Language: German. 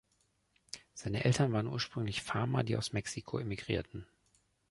Seine Eltern waren ursprünglich Farmer, die aus Mexiko emigrierten.